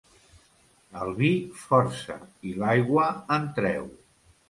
El vi força i l'aigua en treu.